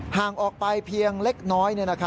ห่างออกไปเพียงเล็กน้อย